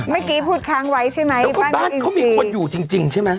เมื่อกี้พูดค้างไว้ใช่ไหมที่บ้านเขามีคนอยู่จริงจริงใช่ไหม